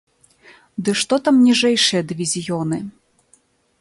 Ды што там ніжэйшыя дывізіёны!